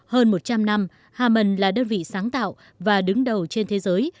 hơn một trăm linh năm haman là đơn vị sáng tạo và đứng đầu trên thế giới